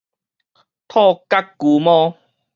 兔角龜毛